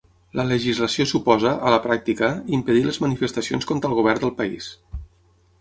La legislació suposa, a la pràctica, impedir les manifestacions contra el govern del país.